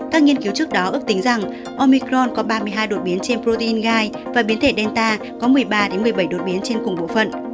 các nghiên cứu trước đó ước tính rằng omicron có ba mươi hai đột biến trên protein gai và biến thể delta có một mươi ba một mươi bảy đột biến trên cùng bộ phận